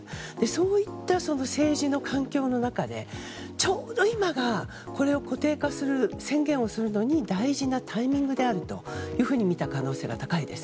そういった政治の環境の中でちょうど今がこれを固定化する宣言をするのに大事なタイミングであると見た可能性が高いです。